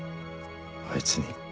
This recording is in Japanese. あいつに。